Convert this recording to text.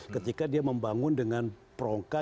ketika dia membangun dengan perangkat